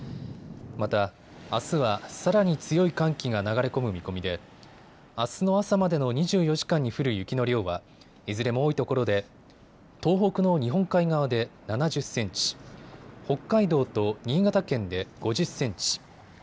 また、あすはさらに強い寒気が流れ込む見込みであすの朝までの２４時間に降る雪の量はいずれも多いところで東北の日本海側で７０センチ、北海道と新潟県で５０センチ。